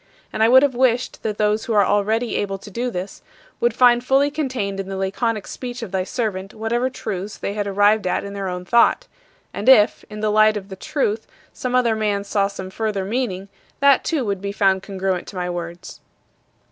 And I would have wished that those who are already able to do this would find fully contained in the laconic speech of thy servant whatever truths they had arrived at in their own thought; and if, in the light of the Truth, some other man saw some further meaning, that too would be found congruent to my words.